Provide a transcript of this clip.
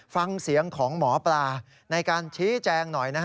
ฟังเสียงของหมอปลาในการชี้แจงหน่อยนะฮะ